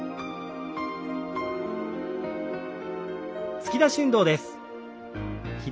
突き出し運動です。